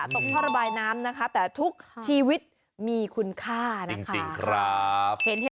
สมทรบายน้ำนะคะแต่ทุกชีวิตมีคุณค่าจริงครับ